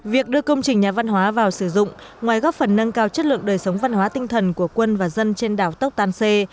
việc đưa công trình nhà văn hóa vào sử dụng ngoài góp phần nâng cao chất lượng đời sống văn hóa tinh thần của quân và dân trên đảo tốc tan xê